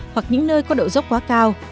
hoặc những nơi có độ dốc quá cao